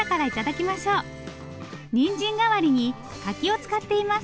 にんじん代わりに柿を使っています。